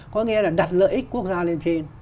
có nghĩa là đặt lợi ích quốc gia lên trên